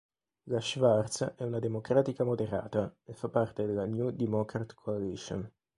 La Schwartz è una democratica moderata e fa parte della New Democrat Coalition.